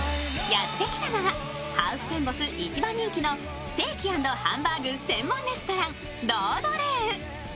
やってきたのはハウステンボス一番人気のステーキ＆ハンバーグ専門レストラン、ロード・レーウ。